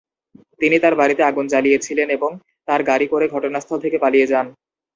তিনি তার বাড়িতে আগুন জ্বালিয়ে ছিলেন এবং তার গাড়িতে করে ঘটনাস্থল থেকে পালিয়ে যান।